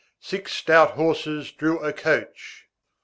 Six stout horses drew a coach.